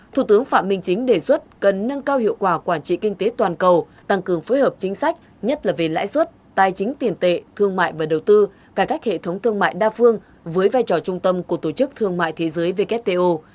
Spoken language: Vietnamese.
thủ tướng phạm minh chính đề xuất cần nâng cao hiệu quả quản trị kinh tế toàn cầu tăng cường phối hợp chính sách nhất là về lãi suất tài chính tiền tệ thương mại và đầu tư cải cách hệ thống thương mại đa phương với vai trò trung tâm của tổ chức thương mại thế giới wto